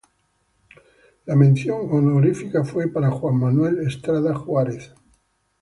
La mención honorífica fue para Juan Manuel Estrada Juárez.